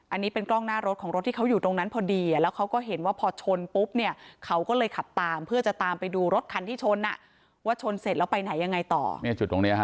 อันนี้เป็นกล้องหน้ารถของรถที่เขาอยู่ตรงนั้นพอดีแล้วเขาก็เห็นว่าพอชนปุ๊บเนี่ยเขาก็เลยขับตามเพื่อจะตามไปดูรถคันที่ชนอ่ะว่าชนเสร็จแล้วไปไหนยังไงต่อเนี่ยจุดตรงเนี้ยฮะ